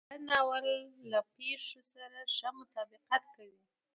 نو ياد ناول له پېښو سره ښه مطابقت کوي.